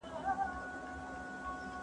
زه سبزیجات نه وچوم،